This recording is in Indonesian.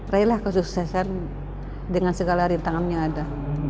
relah kesuksesan dengan segala rintang yang ada